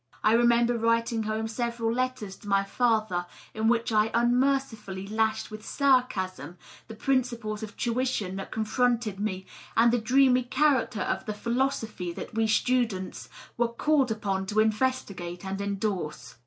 I remember writing home several letters to my father in which I unmercifully lashed with sarcasm the principles of tuition that confronted me and the dreamy character of the philosophy that we students were called upon to investigate and endorse.